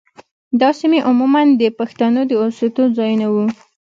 دا سیمې عموماً د پښتنو د اوسېدو ځايونه وو.